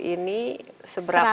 dan itu kita buka perusahaan